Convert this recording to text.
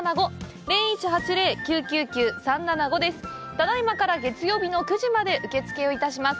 ただいまから月曜日の９時まで受け付けをいたします。